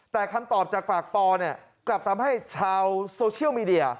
แต่คำตอบจากปากปกลับตามให้ชาวโซเชียลมีเดีย